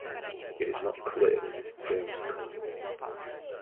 It is not clear when this term was coined.